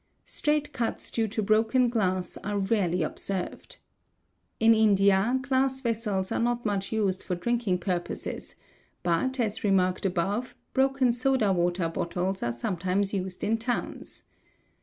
Straight cuts due to broken glass are rarely observed. In India, glass vessels are not much used for rinking purposes, but, as remarked above, broken soda water bottles are sometimes used in towns.